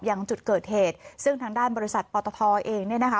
ยังจุดเกิดเหตุซึ่งทางด้านบริษัทปตทเองเนี่ยนะคะ